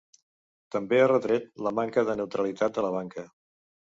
També ha retret la manca de neutralitat de la banca.